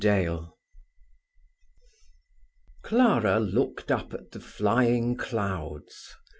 DALE Clara looked up at the flying clouds.